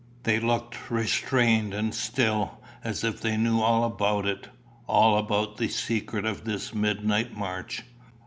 They looked restrained and still, as if they knew all about it all about the secret of this midnight march.